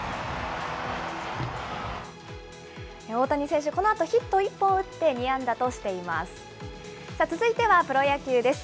大谷選手、このあとヒット１本を打って、２安打としています。